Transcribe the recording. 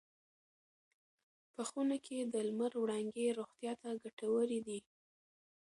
په خونه کې د لمر وړانګې روغتیا ته ګټورې دي.